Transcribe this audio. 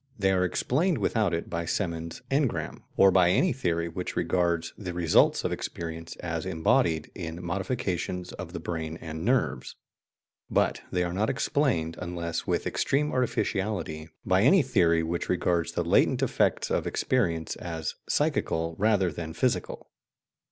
They are explained without it by Semon's "engram," or by any theory which regards the results of experience as embodied in modifications of the brain and nerves. But they are not explained, unless with extreme artificiality, by any theory which regards the latent effects of experience as psychical rather than physical.